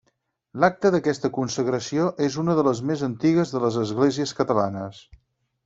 L'acta d'aquesta consagració és una de les més antigues de les esglésies catalanes.